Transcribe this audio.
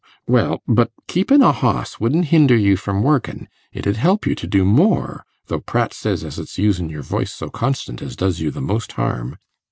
'Well! but keepin' a hoss wouldn't hinder you from workin'. It 'ud help you to do more, though Pratt says as it's usin' your voice so constant as does you the most harm.